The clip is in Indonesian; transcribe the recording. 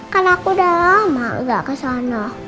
karena aku udah lama nggak ke sana